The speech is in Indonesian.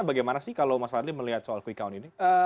bagaimana sih kalau mas fadli melihat soal quick count ini